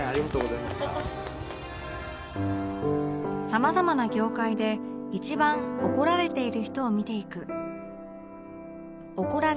様々な業界で一番怒られている人を見ていく